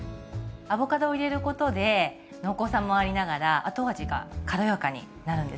アボカドを入れることで濃厚さもありながら後味が軽やかになるんですね。